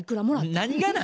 何がな？